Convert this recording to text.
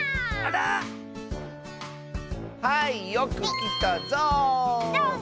はいよくきたゾウ！